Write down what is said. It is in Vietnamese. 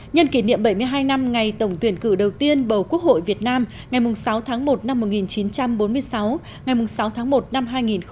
nhân kỷ niệm bảy mươi hai năm ngày tổng tuyển cử đầu tiên bầu quốc hội việt nam ngày sáu tháng một năm một nghìn chín trăm bốn mươi sáu ngày sáu tháng một năm hai nghìn hai mươi